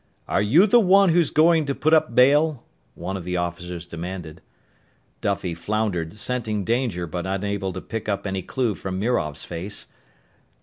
"Are you the one who's going to put up bail?" one of the officers demanded. Duffy floundered, scenting danger but unable to pick up any clue from Mirov's face.